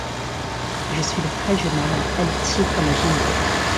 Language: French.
Je suis le frais jeune homme, altier comme un génie